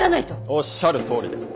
おっしゃるとおりです。